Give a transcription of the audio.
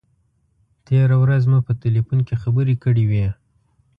تېره ورځ مو په تیلفون کې خبرې کړې وې.